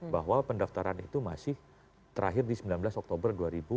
bahwa pendaftaran itu masih terakhir di sembilan belas oktober dua ribu dua puluh